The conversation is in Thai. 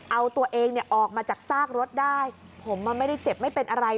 เอาตัวเองเนี่ยออกมาจากซากรถได้ผมมันไม่ได้เจ็บไม่เป็นอะไร